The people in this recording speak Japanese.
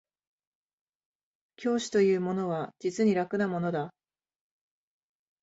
教師というものは実に楽なものだ